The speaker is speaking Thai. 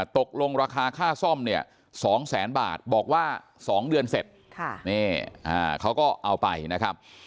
ตกลงราคาค่าซ่อมเนี่ย๒แสนบาทบอกว่า๒เดือนเสร็จเขาก็เอาไปนะครับ